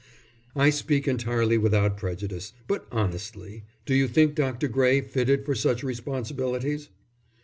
"I speak entirely without prejudice, but honestly, do you think Dr. Gray fitted for such responsibilities?"